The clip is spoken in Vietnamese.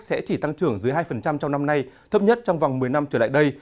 sẽ chỉ tăng trưởng dưới hai trong năm nay thấp nhất trong vòng một mươi năm trở lại đây